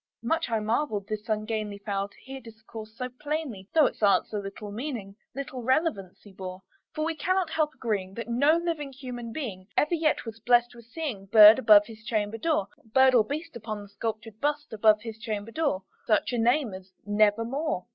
Much I marvelled this ungainly fowl to hear discourse so plainly, Though its answer little meaning little relevancy bore; For we cannot help agreeing that no living human being Ever yet was blest with seeing bird above his chamber door Bird or beast upon the sculptured bust above his chamber door, With such name as "Nevermore."